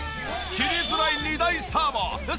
切りづらい２大スターもスパッ！